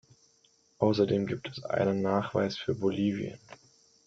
Außerdem gibt es einen Nachweis für Bolivien.